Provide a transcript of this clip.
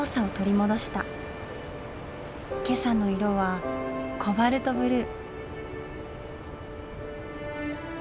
今朝の色はコバルトブルー。